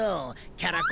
キャラ公！